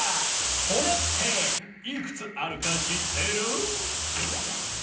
骨っていくつあるかしってる？